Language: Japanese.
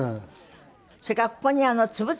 それからここに粒々。